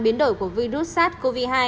biến đổi của virus sars cov hai